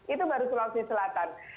itu baru sulawesi selatan